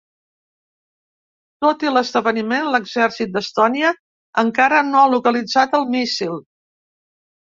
Tot i l’esdeveniment, l’exèrcit d’Estònia encara no ha localitzat el míssil.